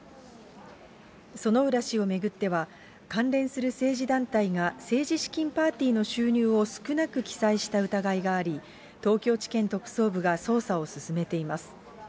薗浦氏を巡っては、関連する政治団体が政治資金パーティーの収入を少なく記載した疑いがあり、東京地検特捜部が捜査を進めています。